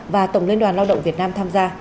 và tổng liên đoàn lao động việt nam tham gia